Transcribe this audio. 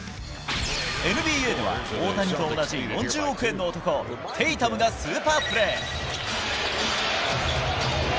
ＮＢＡでは、大谷と同じ４０億円の男、テイタムがスーパープレー。